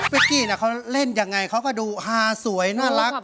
กี้เขาเล่นยังไงเขาก็ดูฮาสวยน่ารัก